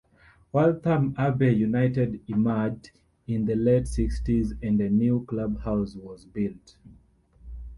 Waltham Abbey United emerged in the late sixties and a new clubhouse was built.